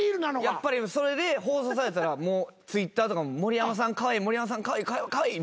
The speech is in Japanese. やっぱりそれで放送されたらもうＴｗｉｔｔｅｒとか盛山さんカワイイ盛山さんカワイイ。